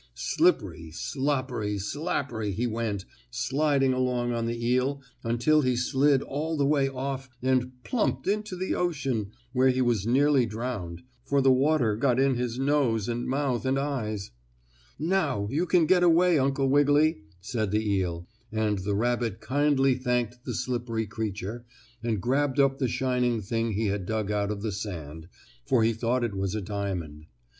Slippery, sloppery, slappery he went, sliding along on the eel until he slid all the way off and plumped into the ocean, where he was nearly drowned, for the water got in his nose and mouth and eyes. "Now, you can get away, Uncle Wiggily," said the eel, and the rabbit kindly thanked the slippery creature, and grabbed up the shining thing he had dug out of the sand, for he thought it was a diamond.